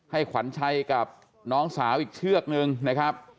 ขวัญชัยกับน้องสาวอีกเชือกนึงนะครับ